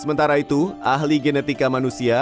sementara itu ahli genetika manusia